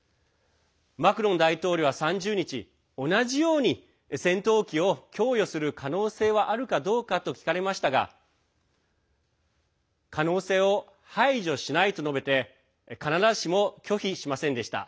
マクロン大統領は３０日同じように、戦闘機を供与する可能性はあるかどうかと聞かれましたが可能性を排除しないと述べて必ずしも拒否しませんでした。